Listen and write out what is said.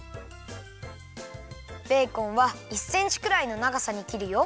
ベーコンは１センチくらいのながさにきるよ。